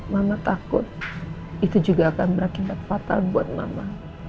mama takut itu juga akan berakibat fatal buat mama